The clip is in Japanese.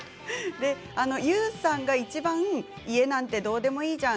ＹＯＵさんがいちばん家なんてどうでもいいじゃん。